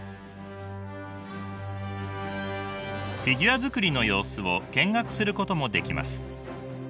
フィギュア作りの様子を見学することもできます。